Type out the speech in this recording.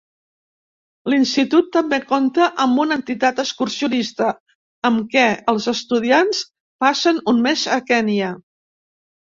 L'institut també compta amb una entitat excursionista, amb què els estudiants passen un mes a Kènia.